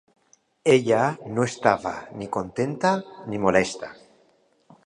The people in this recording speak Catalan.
Ella no estava ni contenta ni molesta.